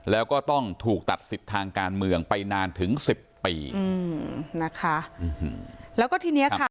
แล้วก็ต้องถูกตัดสิทธิ์ทางการเมืองไปนานถึง๑๐ปี